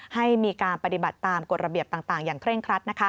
ให้มีการปฏิบัติตามกฎระเบียบต่างอย่างเคร่งครัด